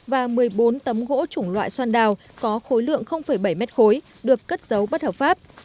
và một mươi bốn tấm gỗ chủng loại xoan đào có khối lượng bảy mét khối được cất giấu bất hợp pháp